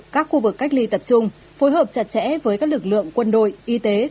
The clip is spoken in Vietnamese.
các khu vực cách ly tập trung phối hợp chặt chẽ với các lực lượng quân đội y tế